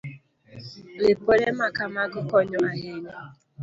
Lipode ma kamago konyo ahinya.